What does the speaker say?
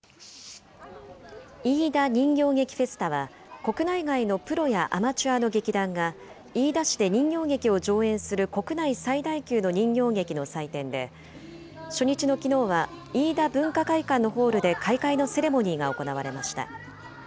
いいだ人形劇フェスタは、国内外のプロやアマチュアの劇団が、飯田市で人形劇を上演する国内最大級の人形劇の祭典で、初日のきのうは、飯田文化会館のホールで開会のセレモニーが行われました。